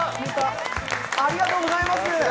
ありがとうございます！